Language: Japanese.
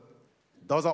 どうぞ。